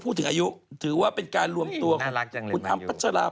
กระเทยเก่งกว่าเออแสดงความเป็นเจ้าข้าว